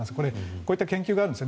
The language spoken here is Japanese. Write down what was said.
こういった研究があるんです。